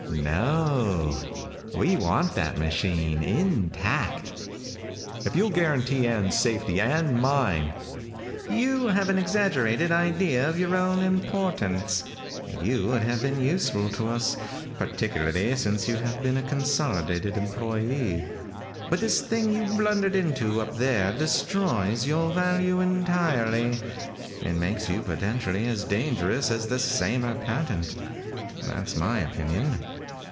"No, we want that machine intact." "If you'll guarantee Ann's safety and mine " "You have an exaggerated idea of your own importance. You would have been useful to us, particularly since you have been a Consolidated employee. But this thing you blundered into up there destroys your value entirely. It makes you potentially as dangerous as the Saymer patent. That's my opinion.